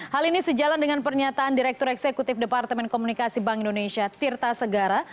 hal ini sejalan dengan pernyataan direktur eksekutif departemen komunikasi bank indonesia tirta segara